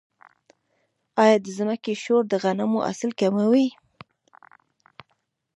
آیا د ځمکې شور د غنمو حاصل کموي؟